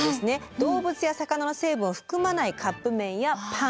動物や魚の成分を含まないカップ麺やパン。